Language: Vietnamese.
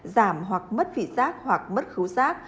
giảm hoặc mất vị giác hoặc mất